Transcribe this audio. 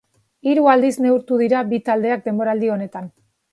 Hiru aldiz neurtu dira bi taldeak denboraldi honetan.